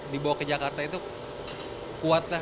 dibawa ke jakarta itu kuat lah